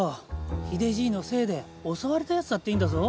秀じいのせいで襲われたやつだっていんだぞ。